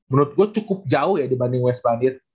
menurut gue cukup jauh ya dibanding wes banit